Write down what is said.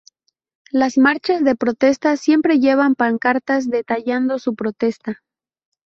Las marchas de protesta siempre llevan pancartas detallando su protesta.